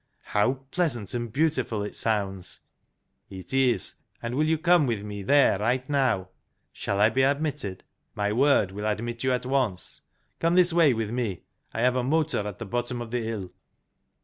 " How pleasant and beautiful it sounds !"" It is, and will you come with me there right now ?"" Shall I be admitted ?"" My word will admit you at once. Come this way with me. I have a motor at the bottom of the hill."